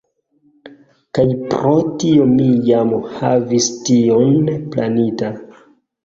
Kaj pro tio mi jam havis tion planita.